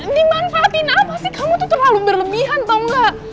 dimanfaatin apa sih kamu itu terlalu berlebihan tau gak